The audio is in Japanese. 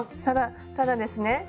ただただですね